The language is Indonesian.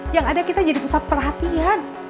yang ada kita jadi pusat perhatian